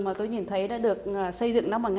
mà tôi nhìn thấy đã được xây dựng